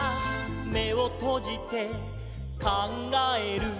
「めをとじてかんがえる」